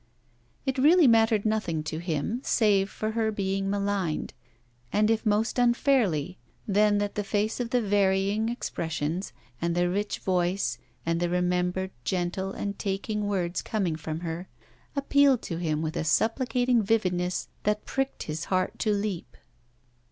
It really mattered nothing to him, save for her being maligned; and if most unfairly, then that face of the varying expressions, and the rich voice, and the remembered gentle and taking words coming from her, appealed to him with a supplicating vividness that pricked his heart to leap.